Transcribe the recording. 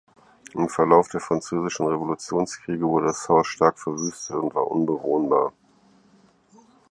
Im Verlauf der französischen Revolutionskriege wurde das Haus stark verwüstet und war unbewohnbar.